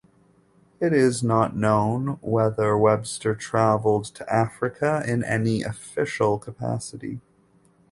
It is not known whether Webster travelled to Africa in any official capacity.